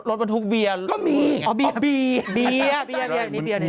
รถบรรทุกเบียร์ก็มีอ๋อเบียร์บีเบียร์เบียร์เบียร์ดีเบียร์ดี